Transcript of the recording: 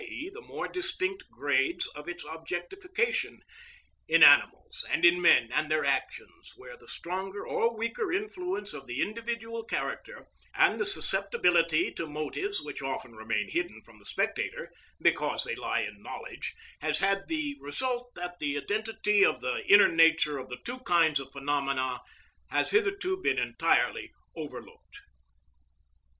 e._, the more distinct, grades of its objectification, in animals, and in men and their actions, where the stronger or weaker influence of the individual character and the susceptibility to motives which often remain hidden from the spectator, because they lie in knowledge, has had the result that the identity of the inner nature of the two kinds of phenomena has hitherto been entirely overlooked.